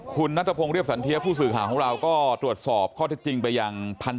คุณณธพงษ์เรียบสันเพียสผู้สื่อข่าวของเราก็ตรวจสอบข้อที่จริงไปอย่าง